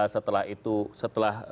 setelah itu setelah